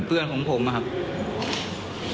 เพื่อนของผมนะครับ